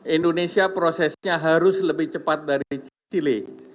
indonesia prosesnya harus lebih cepat dari chile